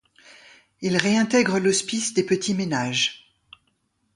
Il réintègre l’hospice des Petits-Ménages.